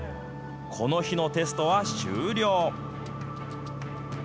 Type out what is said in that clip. この日のテストは終了。